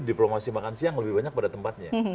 diplomasi makan siang lebih banyak pada tempatnya